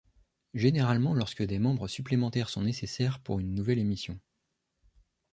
Généralement lorsque des membres supplémentaires sont nécessaires pour une nouvelle émission.